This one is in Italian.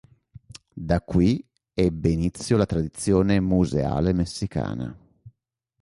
Da qui ebbe inizio la tradizione museale messicana.